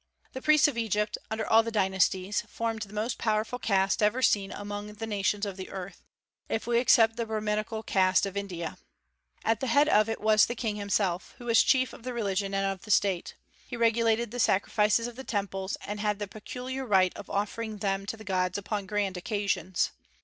The priests of Egypt, under all the dynasties, formed the most powerful caste ever seen among the nations of the earth, if we except the Brahmanical caste of India. At the head of it was the King himself, who was chief of the religion and of the state. He regulated the sacrifices of the temples, and had the peculiar right of offering them to the gods upon grand occasions.